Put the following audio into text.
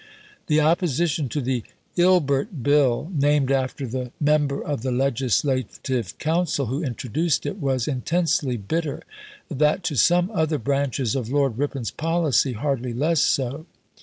The opposition to the "Ilbert Bill," named after the member of the Legislative Council who introduced it, was intensely bitter; that to some other branches of Lord Ripon's policy, hardly less so.